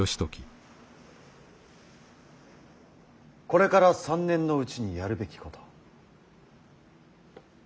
「これから３年のうちにやるべきこと」。